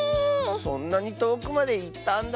そんなにとおくまでいったんだ。